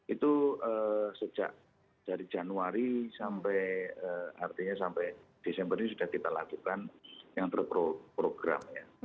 itu sejak dari januari sampai artinya sampai desember ini sudah kita lakukan yang terprogram ya